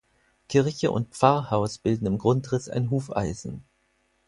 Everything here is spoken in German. Kirche und Pfarrhaus bilden im Grundriss ein Hufeisen.